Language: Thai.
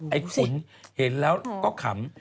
ไอ้ขุนเห็นแล้วก็ขำ